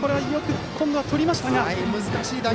今度はよくとりましたが。